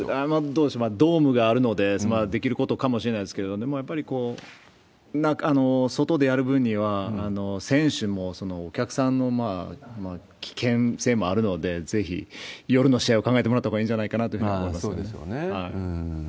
どうでしょう、ドームがあるのでできることかもしれないですけれども、やっぱり外でやる分には、選手もお客さんの危険性もあるので、ぜひ夜の試合を考えてもらったほうがいいんじゃないかと思いますね。